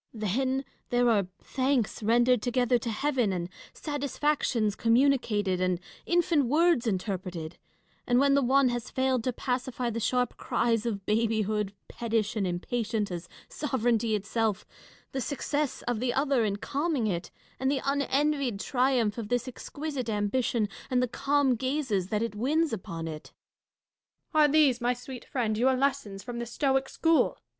Then, there are thanks rendered together to heaven, and satisfactions communicated, and infant words interpreted ; and when the one has failed to pacify the sharp cries of babyhood, pettish and impatient as sovereignty itself, the success of the other in calming it, and the unenvied triumph of this exquisite ambition, and the calm gazes that it wins upon it. Catharine. Are these, my sweet friend, your lessons from the Stoic school